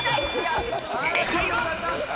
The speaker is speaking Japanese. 正解は？